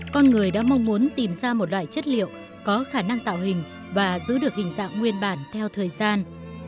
con người đã mong muốn tìm ra một loại chất liệu có khả năng tạo hình và giữ được hình dạng nguyên bản theo thời gian